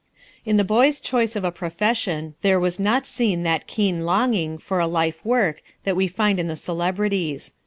In the boy's choice of a profession there was not seen that keen longing for a life work that we find in the celebrities.